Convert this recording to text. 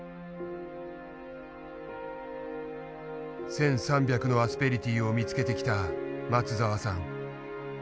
１，３００のアスペリティーを見つけてきた松澤さん。